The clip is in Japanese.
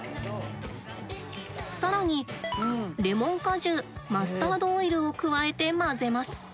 更にレモン果汁マスタードオイルを加えて混ぜます。